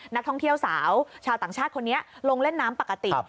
นักท่องเที่ยวสาวชาวต่างชาติคนนี้ลงเล่นน้ำปกติ